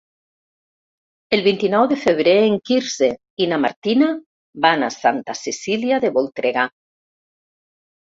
El vint-i-nou de febrer en Quirze i na Martina van a Santa Cecília de Voltregà.